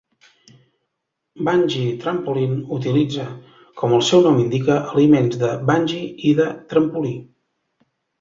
"Bungy Trampoline" utilitza, com el seu nom indica, elements de "bungy" i de trampolí.